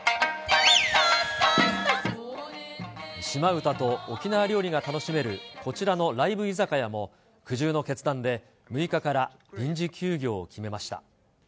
島唄と沖縄料理が楽しめるこちらのライブ居酒屋も、苦渋の決断で６日から臨時休業を決めました。